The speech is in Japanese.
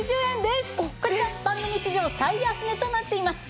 こちら番組史上最安値となっています。